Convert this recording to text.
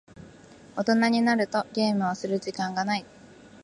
大人になるとゲームをする時間がない。